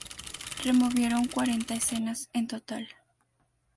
Removieron cuarenta escenas en total.